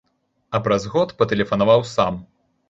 А праз год патэлефанаваў сам.